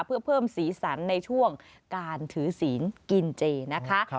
เพื่อเพิ่มสีสันในช่วงการถือศีลกินเจนะคะ